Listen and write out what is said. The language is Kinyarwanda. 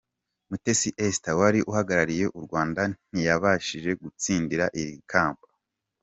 Mutesi Esther wari uhagarariye u Rwanda ntiyabashige kutsindira iri kamba.